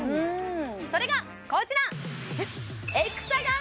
それがこちらえ？